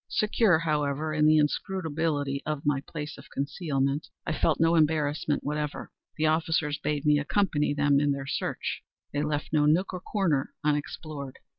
Secure, however, in the inscrutability of my place of concealment, I felt no embarrassment whatever. The officers bade me accompany them in their search. They left no nook or corner unexplored.